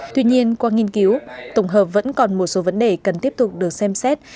tuy nhiên qua nghiên cứu tổng hợp vẫn còn một số vấn đề cần tiếp tục được xem xét